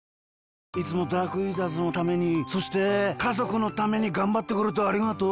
いつもダークイーターズのためにそしてかぞくのためにがんばってくれてありがとう。